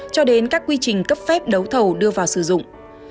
cho đến các quy trình cấp phép đấu thầu đưa vào sử dụng